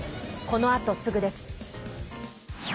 このあとすぐです。